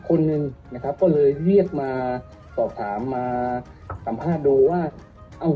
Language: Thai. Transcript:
คนหนึ่งนะครับก็เลยเรียกมาสอบถามมาสัมภาษณ์ดูว่าเอ้า